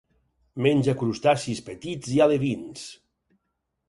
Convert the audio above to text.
Menja crustacis petits i alevins.